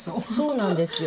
そうなんですよ。